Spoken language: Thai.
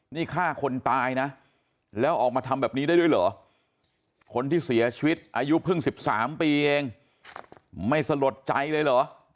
นี่ฆ่าคนตายนะแล้วออกมาทำแบบนี้ได้ด้วยเหรอคนที่เสียชีวิตอายุเพิ่ง๑๓ปีเองไม่สลดใจเลยเหรอ